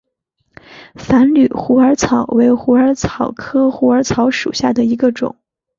繁缕虎耳草为虎耳草科虎耳草属下的一个种。